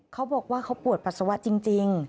เขาบอกว่าเขาปวดปัสสาวะจริง